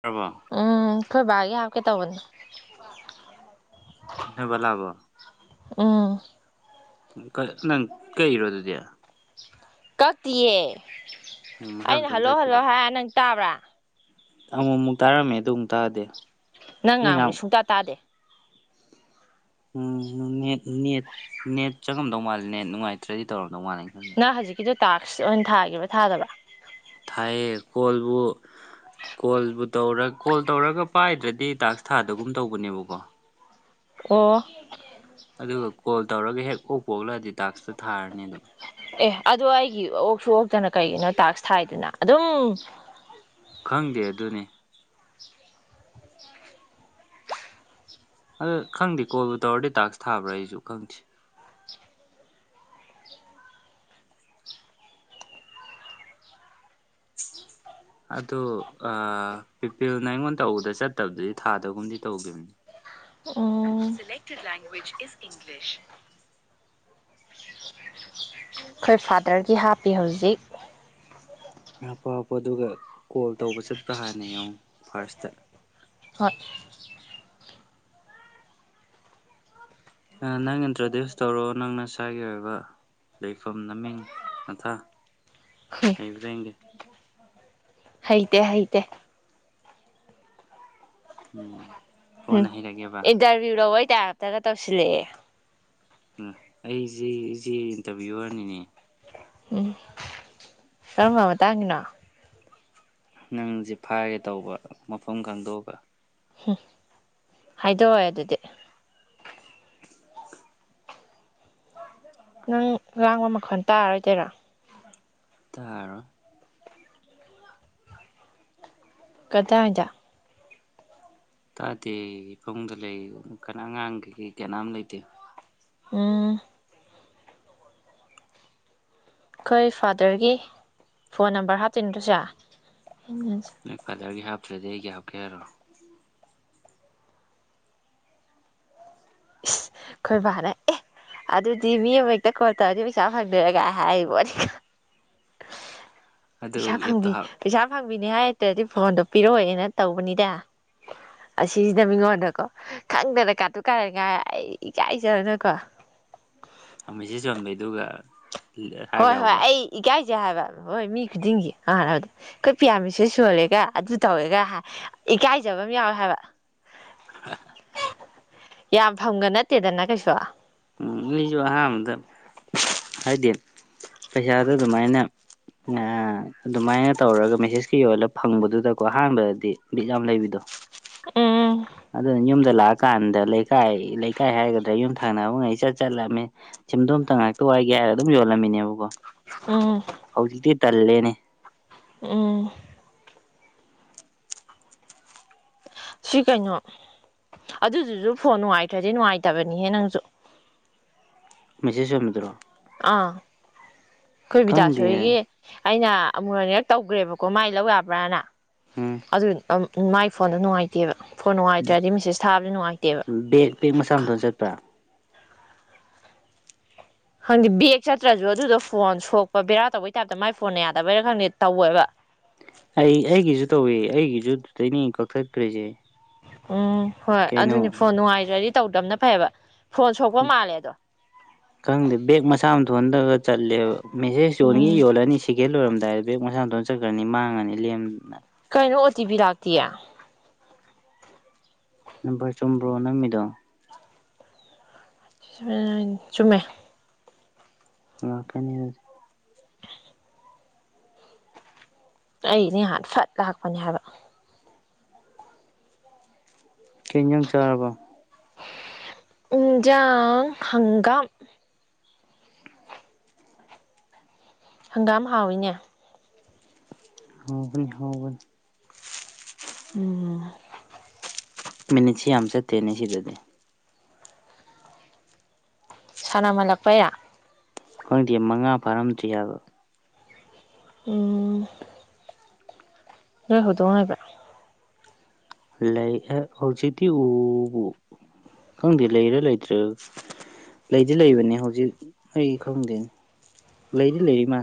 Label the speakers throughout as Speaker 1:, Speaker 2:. Speaker 1: ꯔꯕꯣ
Speaker 2: ꯎꯝ ꯐꯣꯏꯕ ꯀꯦ ꯇꯥꯕꯟ
Speaker 1: ꯅꯣꯏ ꯕꯂꯥꯕꯣ
Speaker 2: ꯎꯝ
Speaker 1: ꯅꯪ ꯀꯩ ꯏꯔꯣ ꯑꯗꯨꯗꯤꯌꯥ
Speaker 2: ꯀꯇꯦ
Speaker 1: ꯃꯁꯥ
Speaker 2: ꯑꯩꯅ
Speaker 1: ꯃꯇꯣꯟ
Speaker 2: ꯍꯜꯂꯣ ꯍꯜꯂꯣ ꯍꯥꯏ ꯅꯪ ꯇꯥꯕ꯭ꯔꯥ
Speaker 1: ꯑꯃꯨꯛ ꯑꯃꯨꯛ ꯇꯥꯔꯝꯃꯦ ꯑꯗꯨ ꯑꯃꯨꯛ ꯇꯥꯑꯗꯤ
Speaker 2: ꯅꯪ ꯉꯥꯡꯕꯗꯤ ꯁꯨꯡꯛꯇꯇꯥ ꯇꯥꯗꯦ
Speaker 1: ꯎꯝ ꯅꯦꯠ ꯅꯦꯠ ꯆꯪꯉꯝꯗꯧ ꯃꯥꯜꯂꯦ ꯅꯦꯠ ꯅꯨꯡꯉꯥꯏꯇ꯭ꯔꯗꯤ ꯇꯧꯔ ꯅꯣꯡꯉꯥꯟꯅ ꯈꯪꯅ
Speaker 2: ꯅꯪ ꯍꯧꯖꯤꯛꯀꯤꯗꯣ ꯇꯥꯛꯁ ꯑꯣꯏꯅ ꯊꯥꯈꯤꯕ ꯊꯥꯗꯕ
Speaker 1: ꯊꯥꯏꯌꯦ ꯀꯣꯜꯕꯨ ꯀꯣꯜꯕꯨ ꯇꯔ ꯀꯣꯜ ꯇꯧꯔꯒ ꯄꯥꯏꯗ꯭ꯔꯗꯤ ꯇꯥꯛꯁ ꯊꯥꯗꯒꯨꯝ ꯇꯧꯕꯅꯦꯕꯀꯣ
Speaker 2: ꯑꯣ
Speaker 1: ꯑꯗꯨꯗ ꯋꯥ ꯀꯣꯜ ꯇꯧꯔꯒ ꯍꯦꯛ ꯑꯣꯛ ꯄꯣꯛꯂꯛꯑꯗꯤ ꯇꯥꯛꯁꯇꯨ ꯊꯥꯔꯅꯤ ꯑꯗꯨꯝ
Speaker 2: ꯑꯦ ꯑꯗꯨꯗꯣ ꯑꯩꯒꯤ ꯑꯣꯛꯁꯨ ꯑꯣꯛꯇꯅ ꯀꯩꯒꯤꯅꯣ ꯇꯥꯛꯁ ꯊꯥꯏꯗꯅ ꯑꯗꯨꯝ
Speaker 1: ꯈꯪꯗꯦ ꯑꯗꯨꯅꯤ ꯑꯗ ꯈꯪꯗꯦ ꯀꯣꯜꯕꯨ ꯇꯧꯔꯗꯤ ꯇꯥꯛꯁ ꯊꯥꯕ꯭ꯔꯥ ꯑꯩꯁꯨ ꯈꯪꯗꯦ ꯑ ꯄꯤꯄꯤꯜꯅ ꯑꯩꯉꯣꯟ ꯇꯧꯕꯗ ꯆꯠꯇꯕꯗꯨꯗꯤ ꯊꯥꯗꯒꯨꯝꯗꯤ ꯇꯧꯈꯤꯕꯅꯤ
Speaker 2: ꯂꯦꯡꯒ꯭ꯋꯦꯖ ꯏ ꯏꯁ ꯏꯪꯂꯤꯁ ꯑꯩꯈꯣꯏ ꯐꯥꯗꯔꯒꯤ ꯍꯥꯞꯄꯤ ꯍꯧꯖꯤꯛ
Speaker 1: ꯍꯥꯞꯄꯣ ꯍꯥꯞꯄꯣ ꯑꯗꯨꯒ ꯀꯣꯜ ꯇꯧꯕ ꯆꯠꯄ꯭ꯔꯥ ꯍꯥꯟꯅ ꯌꯦꯡꯉ ꯐꯥꯔꯁꯇ
Speaker 2: ꯍꯣꯠ
Speaker 1: ꯅꯪ ꯏꯟꯇ꯭ꯔꯗ꯭ꯌꯨꯁ ꯇꯧꯔꯑꯣ ꯅꯪ ꯅꯁ꯭ꯥꯒꯤ ꯑꯣꯏꯕ ꯂꯩꯐꯝ ꯃꯃꯤꯡ ꯃꯊꯥ ꯂꯩꯕ꯭ꯔꯦꯡꯒꯦ
Speaker 2: ꯍꯩꯇ ꯍꯩꯇ
Speaker 1: ꯎꯝ
Speaker 2: ꯎꯝ
Speaker 1: ꯀꯣꯟꯅ ꯍꯩꯔꯒꯦꯕ
Speaker 2: ꯏꯟꯇꯔꯚꯤꯌꯔ ꯑꯣꯏ ꯇ ꯇꯒ ꯇꯧꯁꯤꯜꯂꯛꯑꯦ
Speaker 1: ꯎ ꯑꯩꯁꯤꯦ ꯑꯩꯁꯤꯦ ꯏꯟꯇꯔꯚꯤꯌꯨꯋꯔꯅꯤꯅꯦ
Speaker 2: ꯎꯝ ꯀꯔꯝꯕ ꯃꯇꯥꯡꯒꯤꯅꯣ
Speaker 1: ꯅꯪꯁꯦ ꯐꯥꯒꯦ ꯇꯧꯕ ꯃꯐꯝ ꯈꯪꯗꯣꯛꯑꯒ
Speaker 2: ꯎꯝ ꯍꯥꯏꯗꯣꯛꯑꯣꯦ ꯑꯗꯨꯗꯤ ꯅꯪ ꯉꯥꯡꯕ ꯃꯈꯣꯟ ꯇꯥꯔꯣꯏꯗꯣꯏꯔꯣ
Speaker 1: ꯇꯔ
Speaker 2: ꯀꯗꯥꯗ
Speaker 1: ꯇꯥꯗꯦ ꯏꯨꯡꯗ ꯂꯩ ꯀꯅꯥ ꯑꯉꯥꯡ ꯀꯅꯥꯝ ꯂꯩꯇꯦ
Speaker 2: ꯎꯝ ꯑꯩꯈꯣꯏ ꯐꯥꯗꯔꯒꯤ ꯐꯣꯟ ꯅꯝꯕꯔ ꯍꯥꯞꯇꯣꯏꯅꯦꯗꯨꯁꯦ
Speaker 1: ꯀꯗꯒ ꯍꯥ ꯗꯒ ꯀꯦꯔꯣ
Speaker 2: ꯈꯣꯏꯕꯥꯅ ꯑꯦ ꯑꯗꯨꯗꯤ ꯃꯤ ꯑꯃ ꯍꯦꯛꯇ ꯀꯣꯜ ꯇꯧꯔꯗꯤ ꯄꯩꯁꯥ ꯐꯪꯗꯔꯒ ꯍꯥꯏꯔꯤꯕꯣꯅꯦ ꯄꯩꯁꯥ
Speaker 1: ꯑꯗꯨ ꯑꯦꯞꯇꯣ
Speaker 2: ꯐꯪꯕꯤ
Speaker 1: ꯍꯥꯞ
Speaker 2: ꯄꯩꯁꯥ ꯐꯪꯕꯤꯅꯦꯍꯥꯏ ꯠꯇ꯭ꯔꯗꯤ ꯐꯣꯟꯗꯣ ꯄꯤꯔꯛꯑꯣꯦꯅ ꯇꯧꯕꯅꯤꯗ ꯑꯁꯤꯁꯤꯅ ꯃꯤꯉꯣꯟꯗꯀꯣ ꯈꯪꯗꯅ ꯀꯥꯠꯇꯨ ꯀꯥꯔ ꯉꯥꯏ ꯑꯩ ꯏ ꯀꯥꯏꯖꯔꯨꯅꯀꯣ
Speaker 1: ꯑꯃ ꯆꯝꯕꯩ ꯑꯗꯨꯒ
Speaker 2: ꯍꯣꯏ ꯍꯣꯏ ꯑꯩ ꯏꯀꯥꯏ ꯁꯦ ꯍꯥꯏꯕ ꯍꯣꯏ ꯃꯤ ꯈꯨꯗꯤꯡꯒꯤ ꯑꯅꯕꯗꯣ ꯑꯩꯈꯣꯏ ꯄꯤꯌꯥꯃꯤꯁꯨ ꯁꯣꯜꯂꯦꯒ ꯑꯗꯨ ꯇꯧꯋꯦꯒ ꯏꯀꯥꯏꯖꯕ ꯑꯃ ꯌꯥꯎꯋꯦ ꯍꯥꯏꯕ
Speaker 1: ꯍ
Speaker 2: ꯌꯥꯝ ꯐꯪꯒ ꯅꯠꯇꯦꯗꯅ ꯀꯩꯁꯨ
Speaker 1: ꯎꯝ ꯑꯩꯁꯨ ꯑꯍꯥꯟꯕꯗ ꯍꯥꯏꯗꯤ ꯄꯩꯁꯥꯗ ꯑꯗꯨꯃꯥꯏꯅ ꯑꯗꯨꯃꯥꯏꯅ ꯇꯧꯔꯒ ꯃꯦꯁꯦꯁꯀꯤ ꯑꯣꯏꯜꯂ ꯐꯪꯕꯗꯨꯗꯀꯣ ꯑꯍꯥꯟꯕꯗꯗꯤ ꯕꯤꯠ ꯌꯥꯝ ꯂꯩꯕꯤꯗꯣ
Speaker 2: ꯎꯝ
Speaker 1: ꯑꯗꯨꯅ ꯌꯨꯝꯗ ꯂꯥꯛꯑꯀꯥꯟꯗ ꯂꯩꯀꯥꯏ ꯂꯩꯀꯥꯏ ꯍꯥꯏꯒꯗ꯭ꯔꯥ ꯌꯨꯝ ꯊꯪꯅꯕ ꯉꯩ ꯆꯠ ꯆꯠꯂꯃꯤ ꯁꯤꯝꯗꯣꯝꯇ ꯉꯥꯏꯍꯥꯛꯇ ꯋꯥꯏꯒꯦ ꯍꯥꯏꯔꯒ ꯑꯗꯨꯝ ꯌꯣꯜꯂꯝꯃꯤꯅꯦꯕꯀꯣ
Speaker 2: ꯎꯝ
Speaker 1: ꯇꯜꯂꯅꯤ
Speaker 2: ꯎꯝ ꯁꯤ ꯀꯩꯅꯣ ꯑꯗꯨꯗꯨꯁꯨ ꯐꯣꯟ ꯅꯨꯡꯉꯥꯏꯇ꯭ꯔꯗꯤ ꯅꯨꯡꯉꯥꯏꯇꯕꯅꯤꯍꯦ ꯅꯪꯁꯨ
Speaker 1: ꯃꯦꯁꯦꯖ ꯑꯣꯏꯝꯃꯗ꯭ꯔꯣ
Speaker 2: ꯑꯥ ꯑꯩꯈꯣꯏ
Speaker 1: ꯈꯪꯗꯦ
Speaker 2: ꯕꯤꯗꯥꯁꯣꯏꯒꯤ ꯑꯩꯅ ꯑꯃꯨꯔꯣꯟꯅꯤꯔꯛ ꯇꯧꯈ꯭ꯔꯦꯕꯀꯣ ꯃꯥꯏ ꯂꯧ ꯌꯥꯕ꯭ꯔꯥꯅ
Speaker 1: ꯎꯝ
Speaker 2: ꯑꯗꯨ ꯑ ꯃꯥꯏ ꯐꯣꯟꯗꯣ ꯅꯨꯡꯉꯥꯏꯇꯦꯕ ꯐꯣꯟ ꯅꯨꯡꯉꯥꯏꯇ꯭ꯔꯦ ꯑꯩ ꯃꯦꯁꯦꯁ ꯊꯥꯕꯁꯨ ꯅꯨꯡꯉꯥꯏꯇꯦꯕ
Speaker 1: ꯕꯦꯛ ꯕꯦꯛ ꯃꯆꯥ ꯃꯊꯣꯟ ꯆꯠꯄ꯭ꯔꯥ
Speaker 2: ꯈꯪꯗꯦ ꯕꯦꯒ ꯆꯠꯇ꯭ꯔꯁꯨ ꯑꯗꯨꯗꯣ ꯐꯣꯟ ꯁꯣꯛꯄ ꯕꯦꯔꯥ ꯇꯧꯕꯩ ꯇꯥꯏꯞꯇ ꯃꯥꯏ ꯐꯣꯟꯅ ꯌꯥꯗꯕꯩꯅ ꯈꯪꯗꯦ ꯇꯧꯋꯦꯕ
Speaker 1: ꯑꯩ ꯑꯩꯒꯤꯁꯨ ꯇꯧꯏ ꯑꯩꯒꯤꯁꯨꯨ ꯇꯅꯤ ꯀꯛꯊꯈ꯭ꯔꯔꯤꯁꯦ
Speaker 2: ꯑ ꯍꯣꯏ ꯑꯗꯨꯅꯤ ꯐꯣꯟ ꯅꯨꯡꯉꯥꯏꯖꯔꯔꯤ ꯇꯧꯗꯕꯅ ꯐꯩꯌꯦꯕ ꯐꯣꯟ ꯁꯣꯛꯄ ꯃꯥꯜꯂꯦ ꯑꯗꯣ
Speaker 1: ꯈꯪꯗꯦ ꯕꯦꯦꯛ ꯃꯁꯥ ꯑꯃ ꯊꯣꯛꯣꯟꯍꯊꯔꯒ ꯆꯠꯂꯦꯕ ꯃꯦꯁꯦꯁ ꯌꯣꯟꯈꯤ
Speaker 2: ꯎꯝ
Speaker 1: ꯌꯣꯜꯂꯅꯤ ꯁꯤ ꯒꯦꯠ ꯂꯣꯏꯔꯝꯗꯥꯏꯗ ꯕꯦꯛ ꯃꯁꯥꯗꯣꯟꯅ ꯆꯠꯈ꯭ꯔꯅꯤ ꯃꯥꯡꯉꯅꯤ ꯂꯦꯝꯅ
Speaker 2: ꯀꯩꯅꯣ ꯑꯣ ꯇꯤꯚꯤ ꯂꯥꯛꯇꯌꯦ
Speaker 1: ꯄꯥ ꯆꯨꯝꯕ꯭ꯔꯣ ꯅꯃꯤꯗꯣ
Speaker 2: ꯆꯨꯝꯃꯦ
Speaker 1: ꯉꯀꯅꯤ ꯍꯧꯖꯤ
Speaker 2: ꯑꯩꯅꯦꯍꯥꯟ ꯐꯠ ꯂꯥꯛꯄꯅꯦ ꯍꯥꯏꯕ
Speaker 1: ꯀ ꯌꯪ ꯆꯥꯔꯕ
Speaker 2: ꯎꯟꯖꯥꯡ ꯍꯪꯒꯥꯝ ꯍꯪꯒꯥꯝ ꯍꯥꯎꯋꯏꯅꯦ
Speaker 1: ꯍꯕ ꯍꯕ
Speaker 2: ꯎꯝ
Speaker 1: ꯃꯤꯅꯤꯠꯁꯤ ꯑꯃꯆ ꯇꯅꯤꯁꯤ ꯑꯗꯨꯗꯤ
Speaker 2: ꯁꯅꯥ ꯑꯃ ꯂꯥꯛꯄꯌꯥ
Speaker 1: ꯈꯪꯗꯦ ꯃꯉꯥ ꯐꯥꯔꯝꯗ꯭ꯔꯤ ꯍꯥꯏꯕ
Speaker 2: ꯎ ꯂꯩ ꯍꯗꯣꯡꯥꯏꯕ
Speaker 1: ꯍꯧꯖꯤꯛꯇꯤ ꯎꯕꯨ ꯈꯪꯗꯦ ꯂꯩꯔ ꯂꯩꯇ꯭ꯔ ꯂꯩꯗꯤ ꯂꯩꯕꯅꯤ ꯍꯧꯖꯤꯛ ꯑꯩ ꯈꯪꯗꯦ ꯂꯩꯗꯤ ꯂꯩꯔꯤꯃꯥ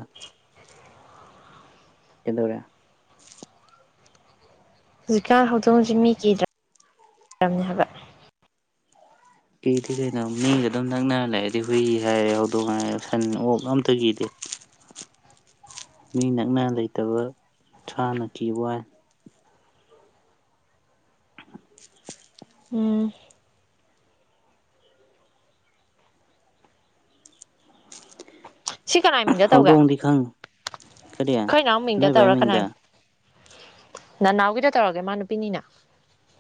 Speaker 1: ꯌꯦꯗꯔ
Speaker 2: ꯍꯧꯖꯤꯛꯀꯥꯟ ꯍꯧꯗꯣꯡ ꯍꯧꯖꯤ ꯃꯤ ꯀꯤꯗ꯭ꯔꯥ ꯀꯗ꯭ꯔꯕꯅꯤ ꯍꯥꯏꯕ
Speaker 1: ꯀꯤꯗꯤ ꯀꯩꯅꯣ ꯃꯤꯒ ꯑꯗꯨꯝ ꯅꯛꯅ ꯂꯩꯔꯗꯤ ꯍꯨꯏ ꯍꯥꯏꯔ ꯍꯧꯗꯣꯡꯉꯥꯏ ꯁꯟ ꯑꯣꯛ ꯑꯝꯇ ꯀꯤꯗꯦ ꯃꯤ ꯅꯛꯅ ꯂꯩꯇꯕ ꯁꯥꯅ ꯀꯤ ꯋꯥꯏ [inaudible]
Speaker 2: ꯎꯝ ꯁꯤ ꯀꯅꯥꯏ ꯃꯤꯡꯗ ꯇꯧꯒꯦ
Speaker 1: ꯍꯧꯗꯣꯡꯗꯤ ꯈꯪ ꯀꯔꯤꯌꯥ
Speaker 2: ꯑꯩꯈꯣꯏ ꯏꯅꯥꯎ ꯃꯤꯡꯗ
Speaker 1: ꯅꯣꯏ ꯚꯥꯏ
Speaker 2: ꯇꯧꯔ
Speaker 1: ꯃꯤꯡꯗ
Speaker 2: ꯀꯅꯥꯏ ꯅꯅꯥꯎꯒꯤꯗ ꯇꯧꯔꯒꯦ ꯃꯥ ꯅꯨꯄꯤꯅꯤꯅ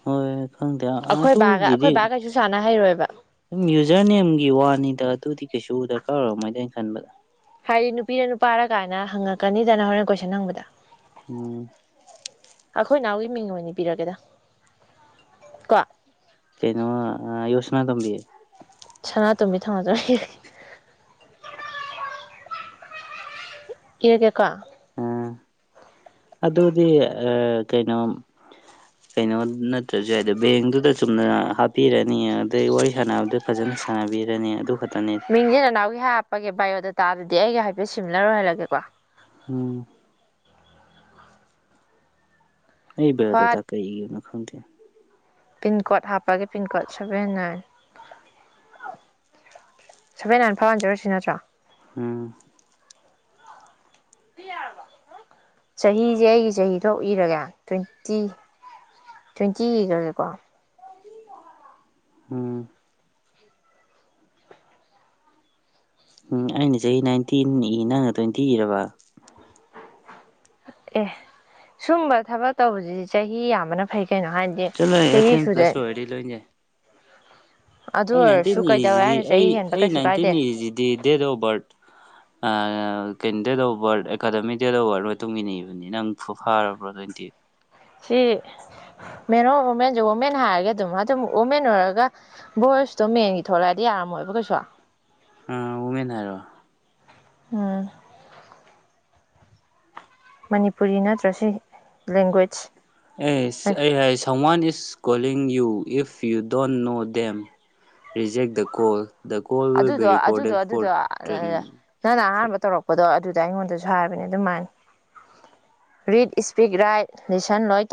Speaker 1: ꯍꯣꯏ ꯈꯪꯗꯦ
Speaker 2: ꯑꯩꯈꯣꯏ ꯕꯥꯒ
Speaker 1: ꯑꯗꯨꯒꯤꯗꯤ
Speaker 2: ꯑꯩꯈꯣꯏ ꯕꯥ ꯀꯩꯁꯨ ꯁꯥꯟꯅ ꯍꯩꯔꯣꯏꯕ
Speaker 1: ꯁꯨꯝ ꯌꯨꯖꯔ ꯅꯦꯝꯒꯤ ꯋꯥꯅꯤꯗ ꯑꯗꯨꯗꯤ ꯀꯩꯁꯨ ꯗꯔꯀꯥꯔ ꯑꯣꯏꯔꯝꯃꯣꯏꯅ ꯑꯩꯅ ꯈꯟꯕꯗ
Speaker 2: ꯍꯥꯏꯗꯤ ꯅꯨꯄꯤꯅ ꯅꯨꯄꯥꯔ ꯀꯥꯏꯅ ꯍꯪꯉꯛꯀꯅꯤꯗꯅ ꯍꯣꯔꯦꯟ ꯀꯣꯏꯁꯟ ꯍꯪꯕꯗ
Speaker 1: ꯎꯝ
Speaker 2: ꯑꯩꯈꯣꯏ ꯏꯅꯥꯎꯒꯤ ꯃꯤꯡ ꯑꯣꯏꯅꯕꯤꯔꯒꯦꯗ ꯀꯣ
Speaker 1: ꯀꯩꯅꯩꯅꯣ ꯌꯣꯁꯅꯥ ꯇꯝꯕꯤ
Speaker 2: ꯁꯅꯥꯇꯣꯝꯕꯤ ꯊꯝꯅꯗ꯭ꯔ ꯏꯌꯥ ꯀꯀ
Speaker 1: ꯑꯥ ꯑꯗꯨꯗꯤ ꯀꯩꯅꯣ ꯀꯩꯅꯣ ꯅꯠꯇ꯭ꯔꯁꯨ ꯍꯥꯏꯗꯣ ꯕꯦꯡꯗꯨꯗ ꯆꯨꯝꯅ ꯍꯥꯞꯄꯤꯔꯅꯤ ꯑꯗꯩ ꯋꯥꯔꯤ ꯁꯥꯟꯅꯕꯗ ꯐꯖꯅ ꯁꯥꯟꯅꯕꯤꯔꯅꯤ ꯑꯗꯨ ꯈ
Speaker 2: ꯃꯤꯖꯦꯅ ꯅꯥꯎ ꯍ ꯍꯥꯄꯒꯦꯥꯏꯣ ꯑꯗꯨ ꯇꯥꯔꯗꯤ ꯑꯩꯒ ꯍꯥꯏꯐꯦꯠ ꯁꯤꯝꯂꯔꯣꯏꯍꯜꯂꯒꯦꯀꯣ
Speaker 1: ꯍꯝ ꯑꯩ ꯦꯗ
Speaker 2: ꯍ꯭ꯋꯥꯠ
Speaker 1: ꯊꯀꯦ ꯏꯒꯤ ꯑꯣꯏꯅꯅ ꯈꯪꯒꯤ
Speaker 2: ꯄꯤꯟ ꯀꯣꯗ ꯍꯥꯞꯄꯒꯤ pin code seven nine seven nine ꯐꯥꯏ ꯍꯟꯖꯔꯁꯤ ꯅꯠꯇ꯭ꯔꯣ
Speaker 1: ꯎꯝ
Speaker 2: ꯆꯍꯤꯁꯦ ꯑꯩꯒꯤ ꯆꯍꯤꯗ ꯏꯔꯒꯦ ꯇ꯭ꯋꯦꯟꯇꯤ ꯇ꯭ꯋꯦꯟꯇꯤ ꯏꯈ꯭ꯔꯒꯦꯀꯣ
Speaker 1: ꯍꯥ ꯎꯝ ꯑꯩꯅ ꯆꯍꯤ ꯅꯥꯏꯟꯇꯤꯟ ꯏ ꯅꯪꯅ ꯇ꯭ꯋꯦꯟꯇꯤ ꯏꯔꯕ
Speaker 2: ꯑꯦ ꯁꯨꯝꯕ ꯊꯕꯛ ꯇꯧꯕꯁꯤꯗꯤ ꯆꯍꯤ ꯌꯥꯝꯕꯅ ꯐꯩ ꯀꯩꯅꯣ ꯍꯥꯏꯗꯤ
Speaker 1: ꯆꯂꯣ ꯑꯦꯁꯤ
Speaker 2: ꯆꯍꯤ ꯁꯨꯗ
Speaker 1: ꯄ꯭ꯂꯁꯣ ꯑꯦ ꯂꯣꯏꯅꯦ
Speaker 2: ꯑꯗꯨ
Speaker 1: ꯑꯩ ꯅꯥꯏꯟꯇꯤꯟ
Speaker 2: ꯑꯣꯏꯔꯁꯨ ꯀꯩꯗꯧꯋꯦ
Speaker 1: ꯏꯔꯤꯁꯤꯗꯤ
Speaker 2: ꯍꯥꯏꯅ
Speaker 1: ꯑꯩ
Speaker 2: ꯆꯍꯤ ꯍꯦꯟꯕ
Speaker 1: ꯑꯩ
Speaker 2: ꯀꯩꯁꯨ
Speaker 1: ꯅꯥꯏꯟꯇꯤꯟ
Speaker 2: ꯀꯥꯏꯗꯦ
Speaker 1: ꯏꯔꯤꯁꯤꯗꯤ ꯗꯦꯠ ꯑꯣꯐ ꯕꯥꯔꯠ ꯀꯩꯅꯣ ꯗꯦꯗ ꯋꯥꯔꯗ ꯑꯦꯀꯥꯗꯃꯤꯛ ꯗꯦꯗ ꯑꯣ ꯋꯥꯔꯗ ꯃꯇꯨꯡ ꯏꯟꯅ ꯏꯕꯅꯤ ꯅꯪ ꯐꯥꯔꯕ꯭ꯔꯣ ꯇ꯭ꯋꯦꯟꯇꯤ
Speaker 2: ꯁꯤ ꯃꯦꯟ ꯑꯣꯔ ꯋꯨꯃꯦꯟꯁꯦ ꯋꯨꯃꯦꯟ ꯍꯥꯏꯔꯒꯦ ꯑꯗꯨꯝ ꯑꯗꯨꯝ ꯋꯨꯃꯦꯟ ꯑꯣꯏꯔꯒ ꯕꯣꯏꯁꯇꯣ ꯃꯦꯟꯒꯤ ꯊꯣꯛꯂꯛꯑꯗꯤ ꯌꯥꯔꯝꯃꯣꯏꯕ ꯀꯩꯁꯨ
Speaker 1: ꯑ ꯃꯦꯟꯔꯣ
Speaker 2: ꯎꯝ ꯃꯅꯤꯄꯨꯔꯤ ꯅꯠꯇ꯭ꯔꯁꯨ ꯂꯦꯡꯒ꯭ꯋꯦꯖ
Speaker 1: ꯑꯦ ꯑꯦ ꯁꯃꯥꯟ is ꯀꯣꯂꯤꯒ you if you don't know ꯗꯦꯦꯝ reject the call the call will
Speaker 2: ꯑꯗꯨꯗꯣ
Speaker 1: ꯕꯤ
Speaker 2: ꯑꯗꯨꯗꯣ
Speaker 1: ꯔꯦꯀꯣꯔꯗꯦꯠ
Speaker 2: ꯑꯗꯨꯗꯣ
Speaker 1: ꯐꯣꯔ ꯇ꯭ꯔꯦꯅꯤꯡ
Speaker 2: ꯅꯪꯅ ꯑꯍꯥꯟꯕ ꯇꯧꯔꯛꯄꯗꯣ ꯑꯗꯨꯗ ꯑꯩꯉꯣꯟꯗꯁꯨ ꯍꯥꯏꯕꯅꯦ ꯑꯗꯨꯃꯥꯏꯅ ꯔꯤꯠ ꯏꯁꯄꯤꯛ ꯔꯥꯏꯠ ꯂꯤꯁꯟ ꯂꯣꯏ